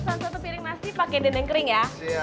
salah satu piring nasi pakai dendeng kering ya